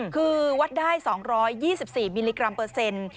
คือวัดได้๒๒๔มิลลิกรัมเปอร์เซ็นต์